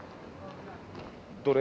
どれ？